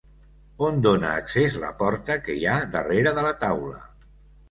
On dona accés la porta que hi ha darrere de la taula?